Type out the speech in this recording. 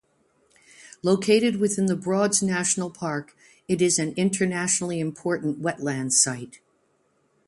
Located within The Broads National Park, it is an internationally important wetland site.